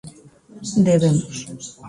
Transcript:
Debemos.